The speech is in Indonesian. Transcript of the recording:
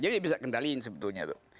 jadi dia bisa kendalikan sebetulnya